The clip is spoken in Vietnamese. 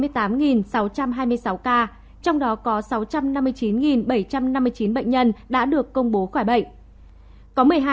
trong đó có sáu trăm năm mươi chín bảy trăm năm mươi chín bệnh nhân đã được công bố khỏi bệnh